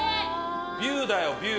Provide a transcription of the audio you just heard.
ビューだよビュー。